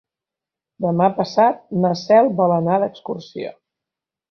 Demà passat na Cel vol anar d'excursió.